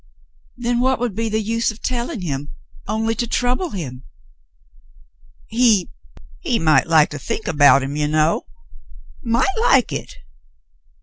"Then what would be the use of telling him, only to trouble him .^" "He — he might like to think about him — you know — might like it."